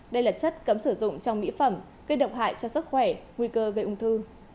đây là chất cấm sử dụng trong mỹ phẩm gây độc hại cho sức khỏe nguy cơ gây ung thư